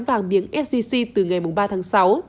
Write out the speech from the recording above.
vàng miếng sgc từ ngày ba tháng sáu